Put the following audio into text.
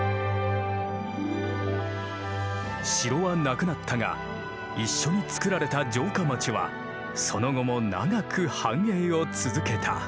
城はなくなったが一緒につくられた城下町はその後も長く繁栄を続けた。